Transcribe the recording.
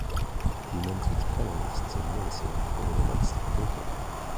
He mentored colonists in medicine for the next decade.